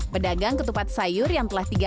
pedagang ketupat sayur yang telah